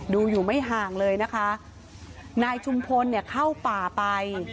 ดูอยู่ไม่ห่างเลยนะคะนายชุมพลเนี่ยเข้าป่าไป